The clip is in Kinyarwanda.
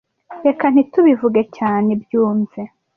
reka ntitubivuge cyane bbyumve